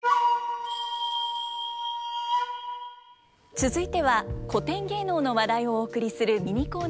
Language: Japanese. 続いては古典芸能の話題をお送りするミニコーナーです。